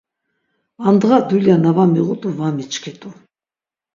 Andğa dulya na var miğut̆u var miçkit̆u.